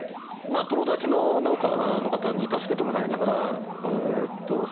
友達の農家の方に助けてもらいながらえっとそうですね